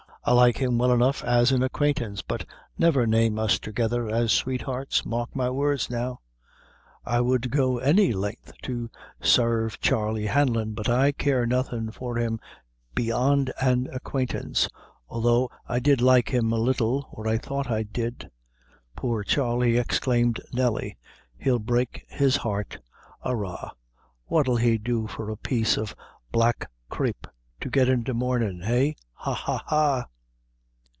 I like him well enough as an acquaintance, but never name us together as sweethearts mark my words now. I would go any length to sarve Charley Hanlon, but I care nothin' for him beyond an acquaintance, although I did like him a little, or I thought I did." "Poor Charley!" exclaimed Nelly, "he'll break his heart. Arra what'll he do for a piece o' black crape to get into murnin'? eh ha! ha! ha!"